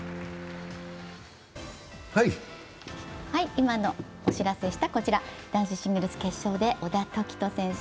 今お知らせしたこちら、男子シングルス決勝で小田凱人選手。